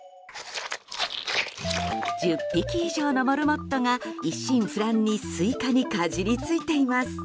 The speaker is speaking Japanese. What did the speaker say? １０匹以上のモルモットが一心不乱にスイカにかじりついています。